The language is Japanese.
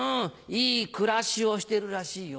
いい「くらし」をしてるらしいよ。